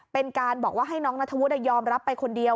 เป็นการบอกว่าให้น้องนัทวุฒิยอมรับไปคนเดียว